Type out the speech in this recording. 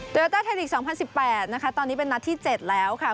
ทีมเตอร์ไทยลีกส์๒๐๑๘ตอนนี้เป็นนัฐที่๗แล้วครับ